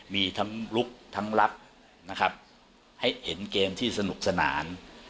มีทั้งลุกทั้งรับนะครับให้เห็นเกมที่สนุกสนาน